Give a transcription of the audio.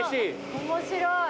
面白い。